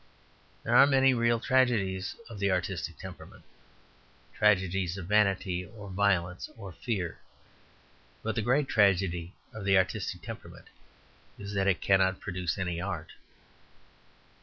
There are many real tragedies of the artistic temperament, tragedies of vanity or violence or fear. But the great tragedy of the artistic temperament is that it cannot produce any art.